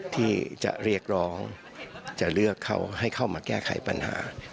ที่จะเรียกร้องจะเลือกเขาให้เข้ามาแก้ไขปัญหา